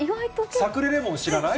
サクレレモン知らない？